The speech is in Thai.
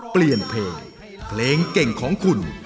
เปลี่ยนเพลงเพลงเก่งของคุณ